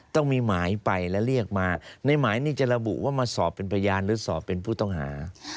ต้องมีหมายไปและเรียกมาในหมายนี่จะระบุว่ามาสอบเป็นพยานหรือสอบเป็นผู้ต้องหา